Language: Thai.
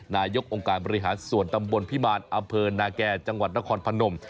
นายกองค์การบริหารส่วนตำบลพิมารอำเภอนาแก่จังหวัดนครพนม